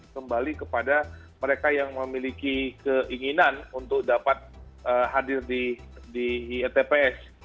kembali kepada mereka yang memiliki keinginan untuk dapat hadir di tps